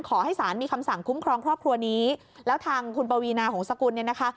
ขอให้ศาลมีคำสั่งคุ้มครองครอบครัวนี้แล้วทางคุณปวีนาหงษกุลเนี่ยนะคะ